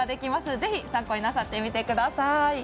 ぜひ、参考になさってみてください